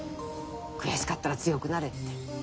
悔しかったら強くなれって。